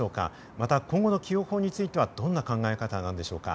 また今後の起用法についてはどんな考え方なんでしょうか。